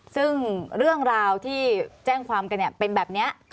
ซึ่งเรื่องราวที่แจ้งความกันเป็นแบบนี้